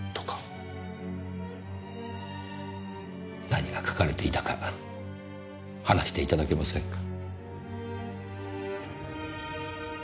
何が書かれていたか話していただけませんか？